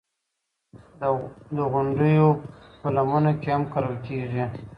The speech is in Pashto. د غونډیو په لمنو کې هم کرل کېږي.